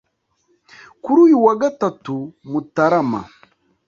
kuri uyu wa gatatu Mutarama